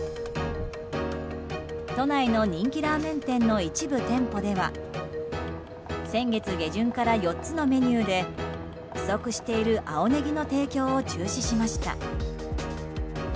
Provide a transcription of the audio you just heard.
都内の人気ラーメン店の一部店舗では先月下旬から４つのメニューで不足している青ネギの提供を中止しました。